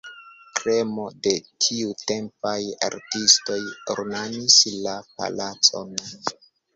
Kremo de tiutempaj artistoj ornamis la palacon.